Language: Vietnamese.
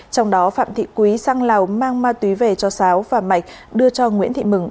trong đó phạm thị quý sang lào mang ma túy về cho sáo và mạch đưa cho nguyễn thị mừng